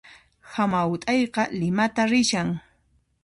Hamaut'ayqa Limata rishan